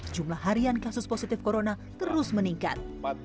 jumlah harian kasus positif corona terus meningkat